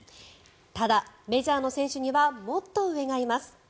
ただ、メジャーの選手にはもっと上がいます。